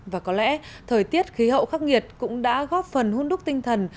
và có lẽ thời tiết khí hậu khắc nghiệt cũng đã góp phần hôn đúc tinh thần